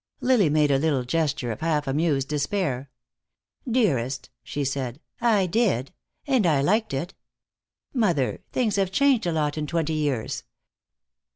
Lily made a little gesture of half amused despair. "Dearest," she said, "I did. And I liked it. Mother, things have changed a lot in twenty years.